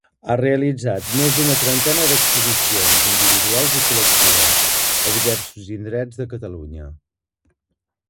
Ha realitzat més d'una trentena d'exposicions individuals i col·lectives a diversos indrets de Catalunya.